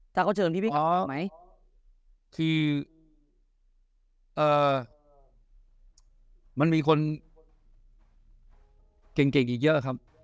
ถ้าเขาเจอพี่พี่กลับมาทำไหมอ่อคือเอ่อมันมีคนเก่งเก่งอีกเยอะครับ